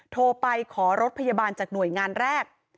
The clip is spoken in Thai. โทรไปขอรถพยาบาลจากหน่วยงานแรก